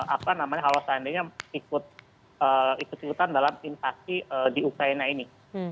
apa namanya kalau seandainya ikut ikutan dalam invasi di ukraina ini